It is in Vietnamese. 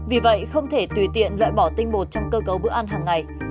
vì vậy không thể tùy tiện loại bỏ tinh bột trong cơ cấu bữa ăn hàng ngày